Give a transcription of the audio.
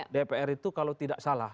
dpr itu kalau tidak salah